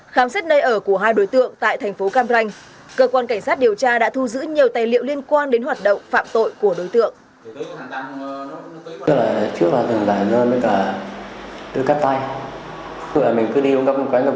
khám xét nơi ở của hai đối tượng tại thành phố cam ranh cơ quan cảnh sát điều tra đã thu giữ nhiều tài liệu liên quan đến hoạt động phạm tội của đối tượng